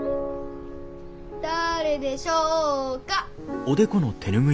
誰でしょうか。